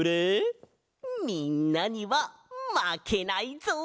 みんなにはまけないぞ！